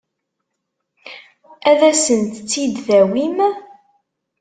Ad asent-tt-id-tawim?